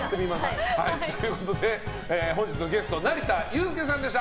ということで、本日のゲスト成田悠輔さんでした。